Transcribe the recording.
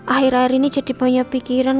akhir akhir ini jadi banyak pikiran